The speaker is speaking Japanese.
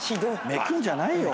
めくんじゃないよ！